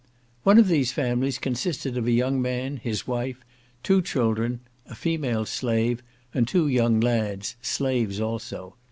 One of these families consisted of a young man, his wife, two children, a female slave, and two young lads, slaves also.